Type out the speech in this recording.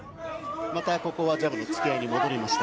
またここはジャブの突き合いに戻りました。